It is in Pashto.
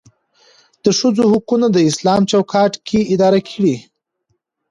دښځو حقونه داسلام چوکاټ کې ادا کړى.